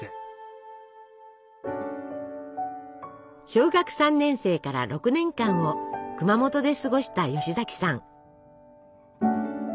小学３年生から６年間を熊本で過ごした吉崎さん。